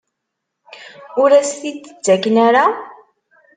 Ur as-t-id-ttaken ara?